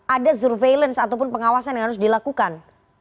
ada surveillance ataupun pengawasan yang harus dilakukan